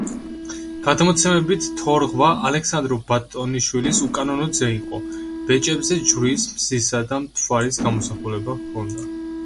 გადმოცემით თორღვა ალექსანდრე ბატონიშვილის უკანონო ძე იყო, ბეჭებზე ჯვრის, მზისა და მთვარის გამოსახულება ჰქონდა.